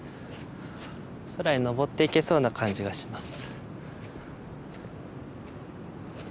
空に登っていけそうな感じがします。